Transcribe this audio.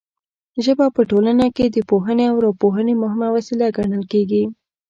ژبه په ټولنه کې د پوهونې او راپوهونې مهمه وسیله ګڼل کیږي.